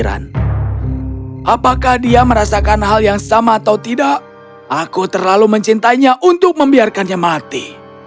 apakah dia merasakan hal yang sama atau tidak aku terlalu mencintainya untuk membiarkannya mati